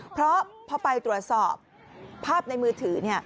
เพราะพอไปตรวจสอบภาพในมือถือ